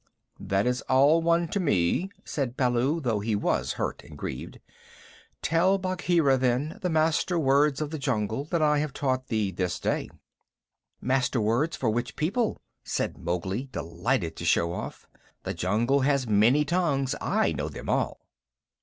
"That is all one to me," said Baloo, though he was hurt and grieved. "Tell Bagheera, then, the Master Words of the Jungle that I have taught thee this day." "Master Words for which people?" said Mowgli, delighted to show off. "The jungle has many tongues. I know them all."